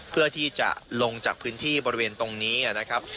เพื่อที่จะลงจากพื้นที่บริเวณตรงนี้นะครับ